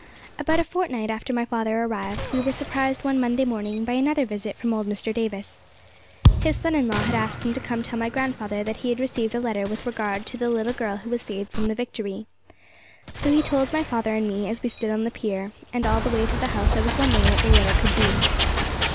About a fortnight after my father arrived, we were surprised one Monday morning by another visit from old Mr. Davis. His son in law had asked him to come to tell my grandfather that he had received a letter with regard to the little girl who was saved from the Victory. So he told my father and me as we stood on the pier; and all the way to the house I was wondering what the letter could be.